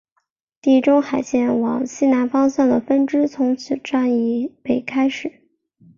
地中海线往西南方向的分支从此站以北开始。